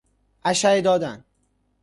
اشعه دادن